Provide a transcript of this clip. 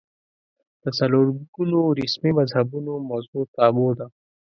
د څلور ګونو رسمي مذهبونو موضوع تابو ده